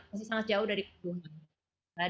masih sangat jauh dari gunungan